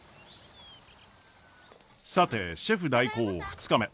さてシェフ代行２日目。